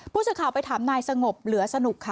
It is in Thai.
ผู้สื่อข่าวไปถามนายสงบเหลือสนุกค่ะ